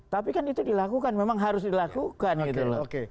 tapi kan itu dilakukan memang harus dilakukan gitu loh